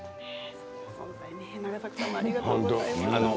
永作さんもありがとうございました。